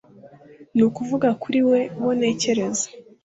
Nukuvuga kuri we uwo ntekereza